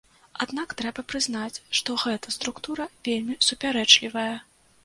Аднак трэба прызнаць, што гэта структура вельмі супярэчлівая.